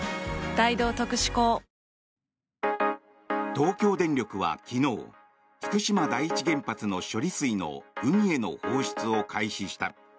東京電力は昨日福島第一原発の処理水の海への放出を開始した。